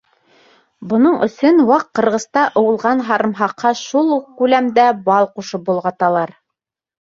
Бының өсөн ваҡ ҡырғыста ыуылған һарымһаҡҡа шул уҡ күләмдә бал ҡушып болғаталар.